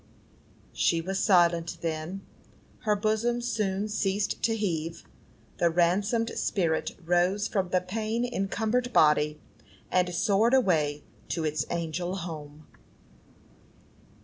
She was silent then; her bosom soon ceased to heave; the ransomed spirit rose from the pain encumbered body, and soared away to its angel home!